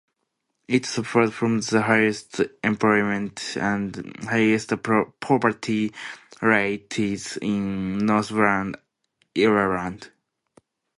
It suffers from the highest unemployment and highest poverty rates in Northern Ireland.